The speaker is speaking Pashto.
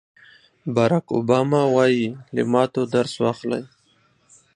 باراک اوباما وایي له ماتو درس واخلئ.